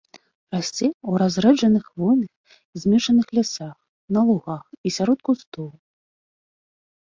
Расце ў разрэджаных хвойных і змешаных лясах, на лугах і сярод кустоў.